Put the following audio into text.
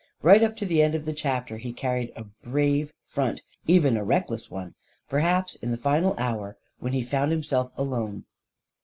Right up to the end of the chapter, he carried a brave front — even a reckless one. Perhaps, in the final hour, when he found himself alone